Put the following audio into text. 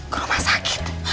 ke rumah sakit